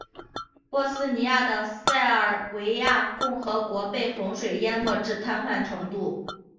波斯尼亚的塞尔维亚共和国被洪水淹没至瘫痪程度。